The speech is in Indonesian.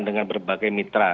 dengan berbagai mitra